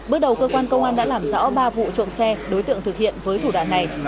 bước đầu cơ quan công an đã làm rõ ba vụ trộm xe đối tượng thực hiện với thủ đoạn này